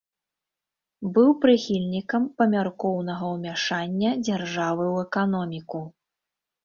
Быў прыхільнікам памяркоўнага ўмяшання дзяржавы ў эканоміку.